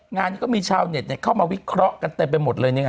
งานนี้ก็มีชาวเน็ตเข้ามาวิเคราะห์กันเต็มไปหมดเลย